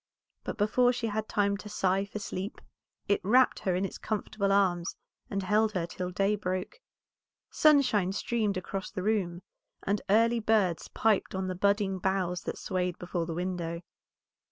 But before she had time to sigh for sleep it wrapt her in its comfortable arms, and held her till day broke. Sunshine streamed across the room, and early birds piped on the budding boughs that swayed before the window.